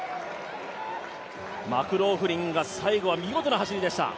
マクローフリンが最後は見事な走りでした。